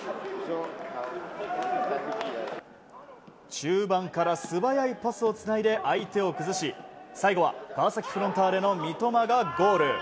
中盤から素早いパスをつないで相手を崩し最後は川崎フロンターレの三笘がゴール。